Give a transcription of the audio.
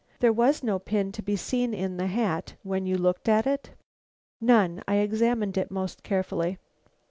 There was no pin to be seen in the hat when you looked at it?" "None. I examined it most carefully."